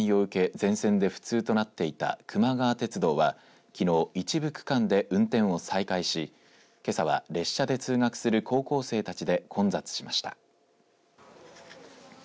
全線で不通となっていたくま川鉄道は、きのう一部区間で運転を再開し、けさは列車で通学する高校生たちで混雑しました。